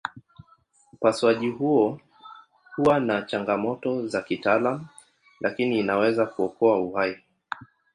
Upasuaji huo huwa na changamoto za kitaalamu lakini inaweza kuokoa uhai.